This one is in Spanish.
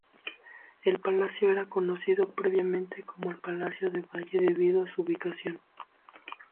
El palacio era conocido previamente como el Palacio de Valle, debido a su ubicación.